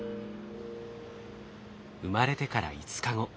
生まれてから５日後。